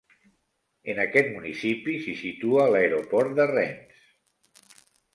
En aquest municipi s'hi situa l'aeroport de Rennes.